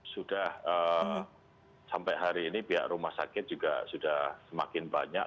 sudah sampai hari ini pihak rumah sakit juga sudah semakin banyak